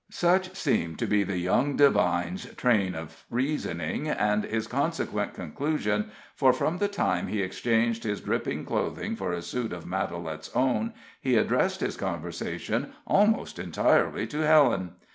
Such seemed to be the young divine's train of reasoning, and his consequent conclusion, for, from the time he exchanged his dripping clothing for a suit of Matalette's own, he addressed his conversation almost entirely to Helen.